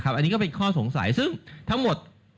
อันนี้ก็เป็นข้อสงสัยซึ่งทั้งหมด